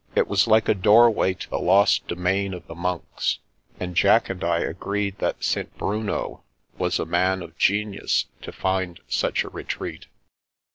It was like a doorway to the lost domain of the monks, and Jack and I agreed that St. Bruno was a man of genius to find such a retreat.